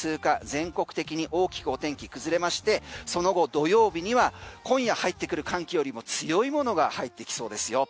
全国的に大きくお天気崩れましてその後、土曜日には今夜入ってくる寒気よりも強いものが入ってきそうですよ。